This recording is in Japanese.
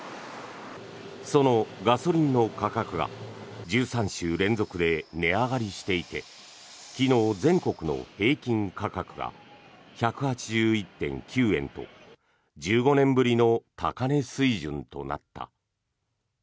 そのガソリンの価格が１３週連続で値上がりしていて昨日、全国の平均価格が１８１．９円と１５年ぶりの高値水準となった。